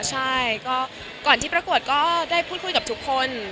ใช่ก็ก่อนที่ประกวดก็ได้พูดคุยกับทุกคน